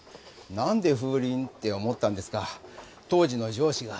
なんで風鈴？って思ったんですが当時の上司が。